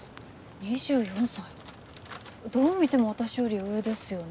２４歳ってどう見ても私より上ですよね